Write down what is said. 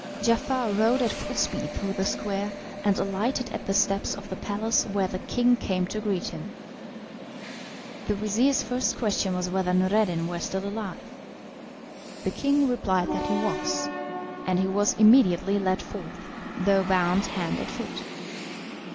Giafar rode at full speed through the square, and alighted at the steps of the palace, where the king came to greet him. The vizir's first question was whether Noureddin were still alive. The king replied that he was, and he was immediately led forth, though bound hand and foot.